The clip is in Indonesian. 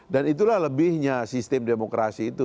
dan itulah lebihnya sistem demokrasi itu